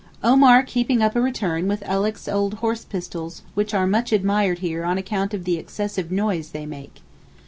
Omar keeping up a return with Alick's old horse pistols which are much admired here on account of the excessive noise they make.